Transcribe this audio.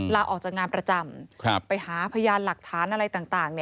ลาออกจากงานประจำไปหาพยานหลักฐานอะไรต่าง